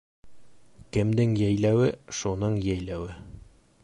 Кемдең йәйләүе — шуның йәйләүе.